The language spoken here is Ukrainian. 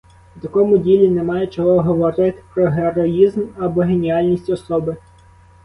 У такому ділі немає чого говорити про героїзм або геніальність особи.